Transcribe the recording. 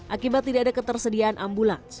akibat tidak ada ketersediaan ambulans